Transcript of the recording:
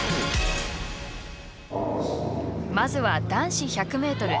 まずは男子１００ｍ、Ｔ１１